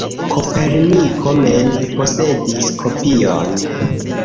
Koperniko mem posedis kopion.